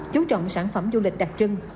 chú trọng sản phẩm du lịch đặc trưng